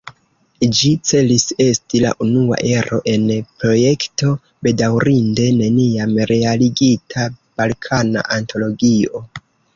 Ĝi celis esti la unua ero en projekto, bedaŭrinde, neniam realigita: "Balkana Antologio".